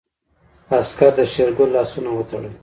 عسکر د شېرګل لاسونه وتړل.